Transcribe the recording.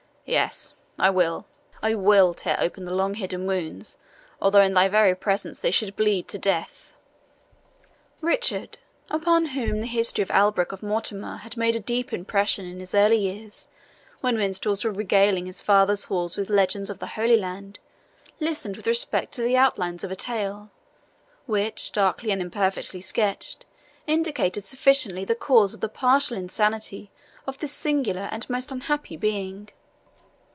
Yes I will I WILL tear open the long hidden wounds, although in thy very presence they should bleed to death!" King Richard, upon whom the history of Alberick of Mortemar had made a deep impression in his early years, when minstrels were regaling his father's halls with legends of the Holy Land, listened with respect to the outlines of a tale, which, darkly and imperfectly sketched, indicated sufficiently the cause of the partial insanity of this singular and most unhappy being.